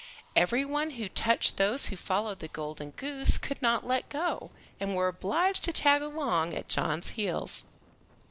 Everyone who touched those who followed the golden goose could not let go, and were obliged to tag along at John's heels.